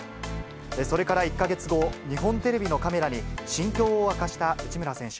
それから１か月後、日本テレビのカメラに心境を明かした内村選手。